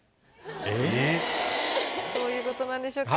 えっ？どういうことなんでしょうか？